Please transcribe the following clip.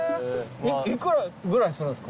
幾らぐらいするんですか？